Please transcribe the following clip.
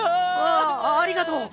あありがとう。